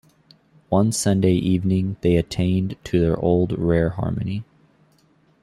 One Sunday evening they attained to their old rare harmony.